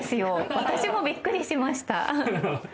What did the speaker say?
私もびっくりしました。